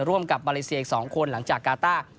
ร่วมกับมาเลเซียอีก๒คนหลังจากกาต้า